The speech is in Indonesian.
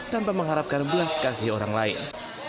tanpa mengharapkan belas kasih orang lain